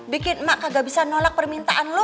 bikin mak kagak bisa nolak permintaan lo